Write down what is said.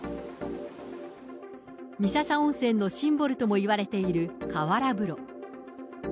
三朝温泉のシンボルともいわれている河原風呂。